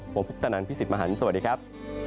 ผมพุทธนันพี่สิทธิมหันฯสวัสดีครับ